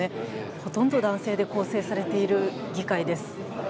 ほとんど男性で構成されている議会です。